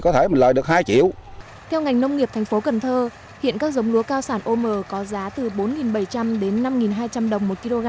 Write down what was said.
theo ngành nông nghiệp thành phố cần thơ hiện các dòng lúa cao sản ô mờ có giá từ bốn bảy trăm linh đến năm hai trăm linh đồng